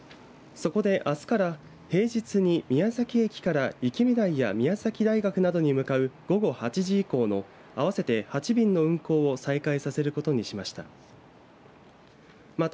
そこで、あすから平日に宮崎駅から生目台や宮崎大学などに向かう午後８時以降の合わせて８便の運行を再開させることにしました。